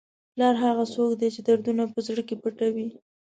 پلار هغه څوک دی چې دردونه په زړه کې پټوي.